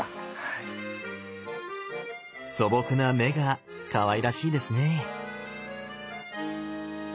素朴な目がかわいらしいですね。